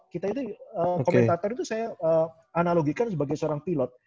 kita itu komentator itu saya analogikan sebagai seorang pilot